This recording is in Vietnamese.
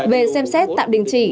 về xem xét tạm đình chỉ